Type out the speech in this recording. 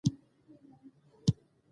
د مېلو پر مهال خلک د خپلو دودونو ساتنه کوي.